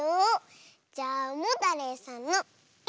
じゃあモタレイさんの「イ」。